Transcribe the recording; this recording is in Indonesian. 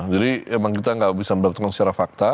jadi memang kita nggak bisa melakukan secara fakta